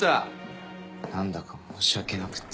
何だか申し訳なくって。